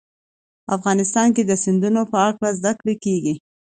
افغانستان کې د سیندونه په اړه زده کړه کېږي.